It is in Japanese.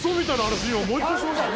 今もう１回しました。